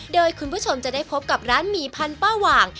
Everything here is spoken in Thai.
โดยคุณผู้ชมจะได้พบกับร้านหมี่พันป้าหว่าง